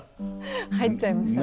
入っちゃいましたね。